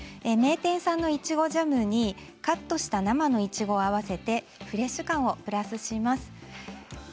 名店さんのいちごジャムにカットした生のいちごを合わせてフレッシュ感をプラスします。